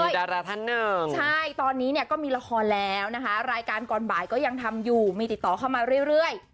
ดาราท่านหนึ่งใช่ตอนนี้เนี่ยก็มีละครแล้วนะคะรายการก่อนบ่ายก็ยังทำอยู่มีติดต่อเข้ามาเรื่อย